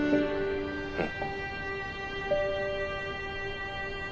うん。